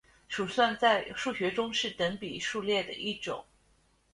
鼠算在数学中是等比数列的一种。